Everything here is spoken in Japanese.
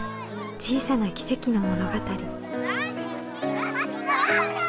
小さな奇跡の物語。